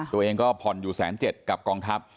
ตัวเองก็ผอนอยู่แสนเจ็ดกับกองทัพ